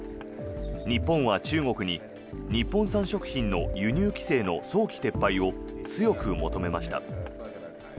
日本は中国に日本産食品の輸入規制の早期撤廃を強く求めました。